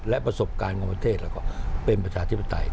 และประสบการณ์ของประเทศเราก็เป็นประชาธิปไตย